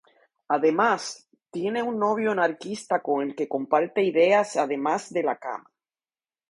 Además, tiene un novio anarquista con el que comparte ideas además de la cama.